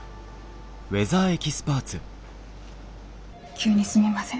急にすみません。